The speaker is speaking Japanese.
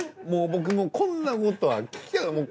もう僕もこんなことは聞きたく。